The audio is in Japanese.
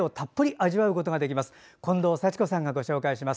近藤幸子さんがご紹介します。